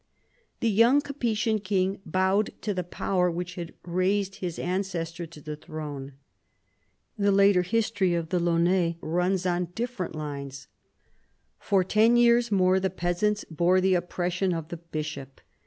The young Capetian king bowed to the power which had raised his ancestor to the throne. The later history of the Laonnais runs on different lines. For ten years more the peasants bore the oppression of the bishop.